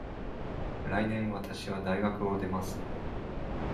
来年わたしは大学を出ます。